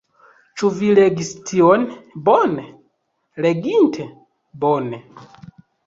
Ĉu vi legis tion? Bone? Leginte? Bone.